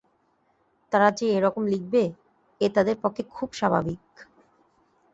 তারা যে এ-রকম লিখবে, এ তাদের পক্ষে খুব স্বাভাবিক।